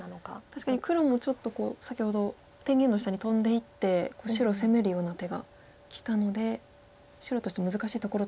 確かに黒もちょっと先ほど天元の下にトンでいって白攻めるような手がきたので白としても難しいところと。